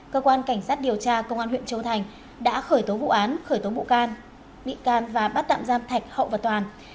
cơ quan cảnh sát điều tra công an huyện châu thành đã khởi tố vụ án khởi tố vụ can bị can và bắt tạm giam thạch hậu và toàn